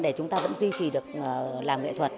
để chúng ta vẫn duy trì được làm nghệ thuật